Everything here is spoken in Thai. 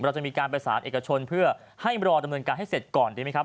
จะมีการประสานเอกชนเพื่อให้รอดำเนินการให้เสร็จก่อนดีไหมครับ